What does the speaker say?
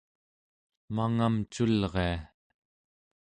mangamculria